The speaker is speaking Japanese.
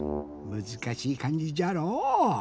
むずかしい「かんじ」じゃろう。